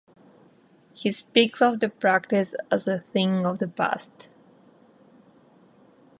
He speaks of the practice as a thing of the past.